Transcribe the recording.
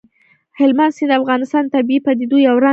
هلمند سیند د افغانستان د طبیعي پدیدو یو رنګ دی.